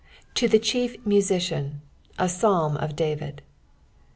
— To the chief MnsiciaD— a PBolm of DsTid.